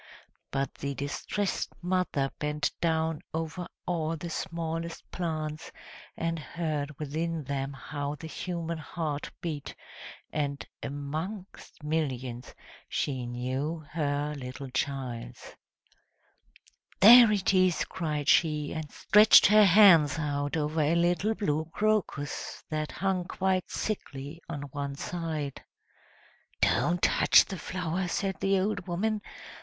But the distressed mother bent down over all the smallest plants, and heard within them how the human heart beat; and amongst millions she knew her child's. "There it is!" cried she, and stretched her hands out over a little blue crocus, that hung quite sickly on one side. "Don't touch the flower!" said the old woman.